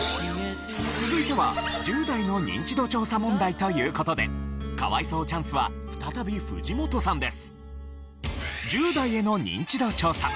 続いては１０代のニンチド調査問題という事で可哀想チャンスは再び藤本さんです。